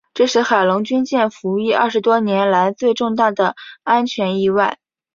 这是海龙军舰服役二十多年来最重大的安全意外。